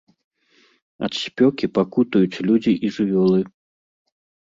Ад спёкі пакутуюць людзі і жывёлы.